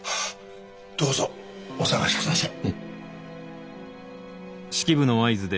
どうぞお捜し下さい。